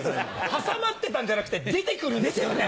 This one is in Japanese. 挟まってたんじゃなくて出てくるんですよね？